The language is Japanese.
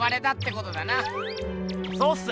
そうっす！